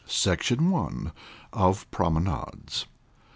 SECTION I. _Of Promenades.